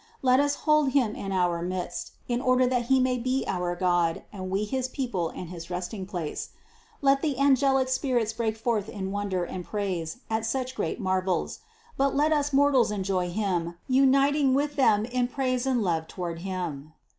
Let us hold Him in our midst, in order that He may be our God and we his people and his resting place. Let the angelic spirits break forth in wonder and praise at such great marvels: but let us mortals enjoy Him, uniting with them in praise and love toward Him.